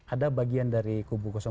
ada bagian dari kubu dua